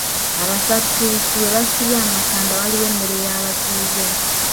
Abasatuusi we basimbye amakanda waliwo emmere y'abatuuze.